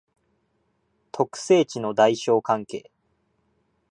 特性値の大小関係